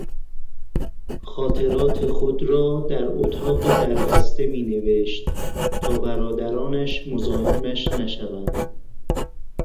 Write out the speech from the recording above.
خاطرات خود را در اتاق دربسته می نوشت تا برادرانش مزاحمش نشوند.